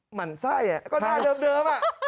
หมั่นไส้อ่ะก็ได้เดิมอ่ะ